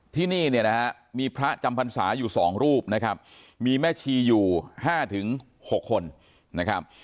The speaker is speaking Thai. ที่นี่มีพระจำพันศาอยู่สองรูปนะครับมีแม่ชีอยู่๕๖คนนะครับ